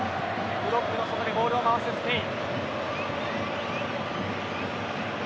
ブロックの外でボールを回しているスペイン。